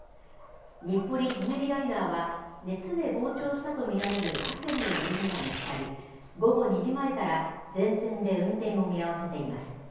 日暮里・舎人ライナーは、熱で膨張したと見られる架線の緩みが見つかり、午後２時前から全線で運転を見合わせています。